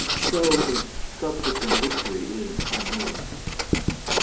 So its subsequent history is unknown.